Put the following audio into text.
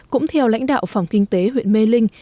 cũng theo lãnh đạo phòng kinh tế huyện mê linh